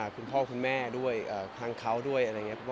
คุณพ่อคุณแม่ด้วยทางเขาด้วย